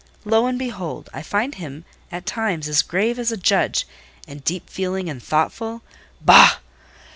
Lo, and behold! I find him at times as grave as a judge, and deep feeling and thoughtful. Bah!